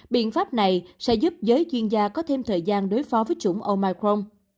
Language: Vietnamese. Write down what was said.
biện pháp này sẽ giúp giới chuyên gia có thêm thời gian đối phó với chủng omicron